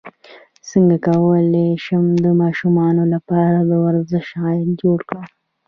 څنګه کولی شم د ماشومانو لپاره د ورزش عادت جوړ کړم